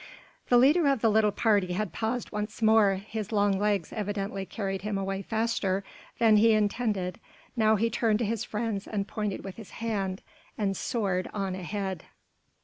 The leader of the little party had paused once more, his long legs evidently carried him away faster than he intended: now he turned to his friends and pointed with his hand and sword on ahead.